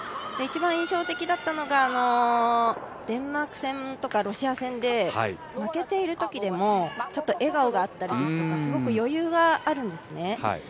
一番印象的だったのが、デンマーク戦とかロシア戦で負けているときでも、笑顔があったりですとかすごく余裕があるんですね。